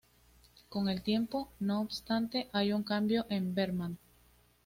Con el tiempo, no obstante, hay un cambio en Berman.